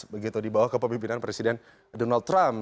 begitu di bawah kepemimpinan presiden donald trump